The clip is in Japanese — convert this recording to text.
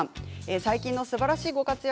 最近のすばらしいご活躍